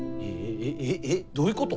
えええどういうこと？